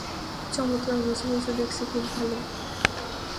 চমৎকার, বুঝে গেছো দেখছি, খুব ভালো।